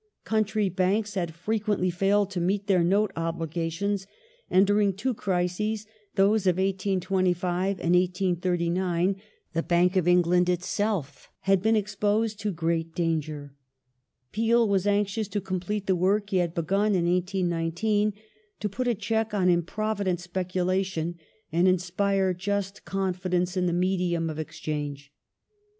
Country banks had frequently 'failed to meet their note obligations, and during two crises, those of 1825 and 1839, the Bank of England itself *' had been exposed to great danger ".^ Peel was anxious to complete the work he had begun in 1819 : to " put a check on improvident speculation and inspire just confidence in the medium of exchange